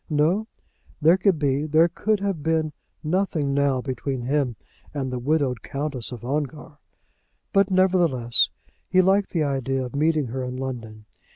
No; there could be, there could have been, nothing now between him and the widowed Countess of Ongar. But, nevertheless, he liked the idea of meeting her in London.